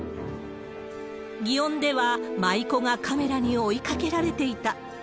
祇園では舞妓がカメラに追いかけられていた。